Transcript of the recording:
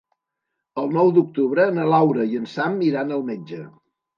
El nou d'octubre na Laura i en Sam iran al metge.